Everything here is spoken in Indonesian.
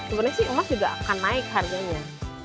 sebenarnya sih emas juga akan naik harganya